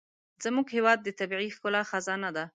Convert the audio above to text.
زموږ هېواد د طبیعي ښکلا خزانه ده.